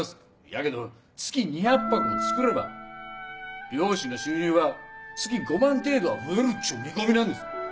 やけど月２００箱作れば漁師の収入は月５万程度は増えるっちゅう見込みなんです。